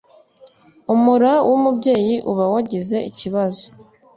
umura w'umubyeyi uba wagize ikibazo